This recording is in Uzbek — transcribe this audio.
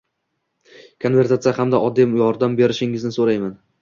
konvertatsiya hamda moddiy yordam berishingizni so‘rayman.